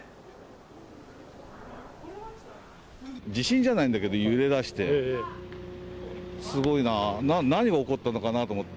地震じゃないんだけど、揺れだして、すごいな、何が起こったのかなと思って。